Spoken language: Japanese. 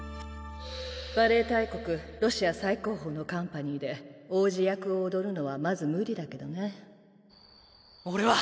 バレエ大国ロシア最高峰のカンパニーで王子役を踊るのはまず無理だけどね俺は。